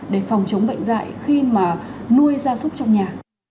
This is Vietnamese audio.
để phòng chống bệnh dạy khi mà nuôi gia súc trong nhà